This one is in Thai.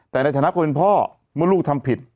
แต่ในฐานะคนเป็นพ่อเมื่อลูกทำผิด